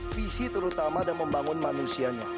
visi terutama dan membangun manusianya